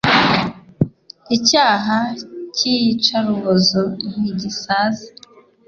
Icyaha cy’iyicarubozo ntigisaza